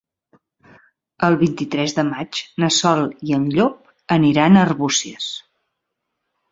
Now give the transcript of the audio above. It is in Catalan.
El vint-i-tres de maig na Sol i en Llop aniran a Arbúcies.